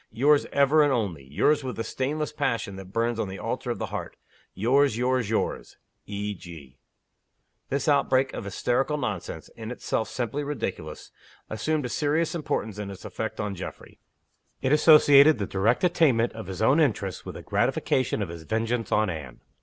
Yours ever and only; yours with the stainless passion that burns on the altar of the heart; yours, yours, yours E. G." This outbreak of hysterical nonsense in itself simply ridiculous assumed a serious importance in its effect on Geoffrey. It associated the direct attainment of his own interests with the gratification of his vengeance on Anne.